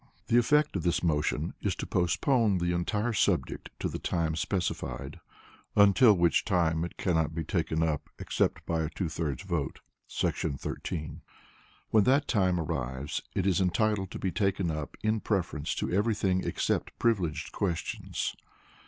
The Effect of this motion is to postpone the entire subject to the time specified, until which time it cannot be taken up except by a two thirds vote [§ 13]. When that time arrives it is entitled to be taken up in preference to every thing except Privileged questions.